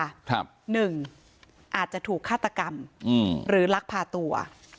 ๑อาจจะถูกฆาตกรรมหรือลักพาตัว